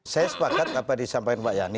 saya sepakat apa disampaikan mbak yani